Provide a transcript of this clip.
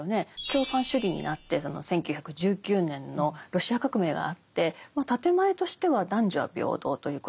共産主義になってその１９１９年のロシア革命があって建て前としては男女は平等ということになっていました。